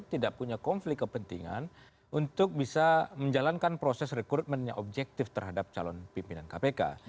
tidak punya konflik kepentingan untuk bisa menjalankan proses rekrutmen yang objektif terhadap calon pimpinan kpk